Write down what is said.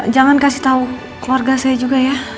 jangan kasih tahu keluarga saya juga ya